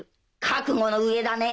覚悟の上だね？